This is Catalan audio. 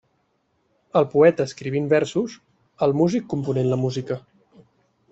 El poeta escrivint versos, el músic component la música.